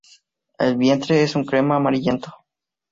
El vientre es crema amarillento.